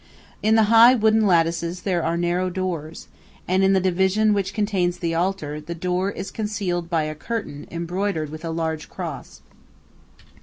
In the high wooden lattices there are narrow doors, and in the division which contains the altar the door is concealed by a curtain embroidered with a large cross.